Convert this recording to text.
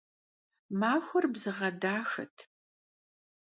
Maxuer bzığe daxet.